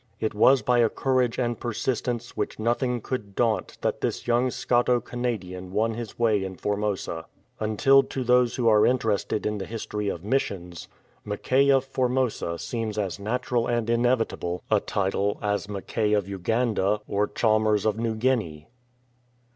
It was by a cour age and persistence which nothing could daunt that this young Scoto Canadian won his way in Formosa, until to those who are interested in the history of missions, ''Mackay of Formosa"" seems as natural and inevitable a 63 THE MALAY AND CHINAMAN title as "Mackay of Uganda" or "Chalmers of New Guinea.""